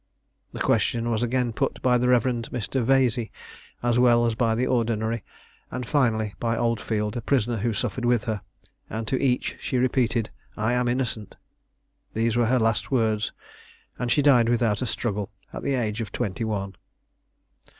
The question was again put by the reverend Mr. Vazie, as well as by the ordinary, and finally, by Oldfield, a prisoner who suffered with her, and to each she repeated "I am innocent." These were her last words; and she died without a struggle, at the age of twenty one.